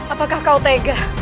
apakah kau tega